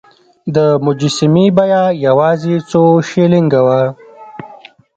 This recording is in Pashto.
د مجسمې بیه یوازې څو شیلینګه وه.